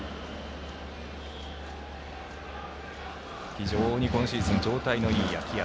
非常に今シーズン状態のいい秋山。